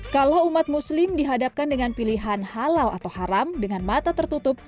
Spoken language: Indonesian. kalau umat muslim dihadapkan dengan pilihan halal atau haram dengan mata tertutup